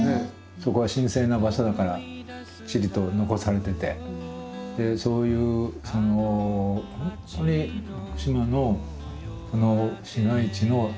そこは神聖な場所だからきっちりと残されててでそういう本当に福島の市街地の鎮守様ですよね。